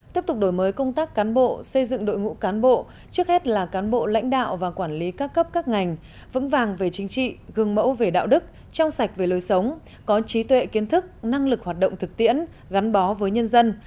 tiếp tục đổi mới công tác cán bộ xây dựng đội ngũ cán bộ trước hết là cán bộ lãnh đạo và quản lý các cấp các ngành vững vàng về chính trị gương mẫu về đạo đức trong sạch về lối sống có trí tuệ kiến thức năng lực hoạt động thực tiễn gắn bó với nhân dân